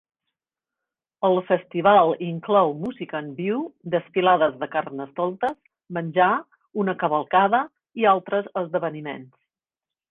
El festival inclou música en viu, desfilades de carnestoltes, menjar, una cavalcada i altres esdeveniments.